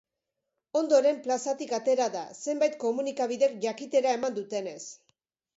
Ondoren, plazatik atera da, zenbait komunikabidek jakitera eman dutenez.